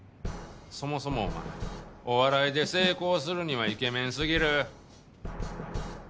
そもそもお前お笑いで成功するにはイケメンすぎる。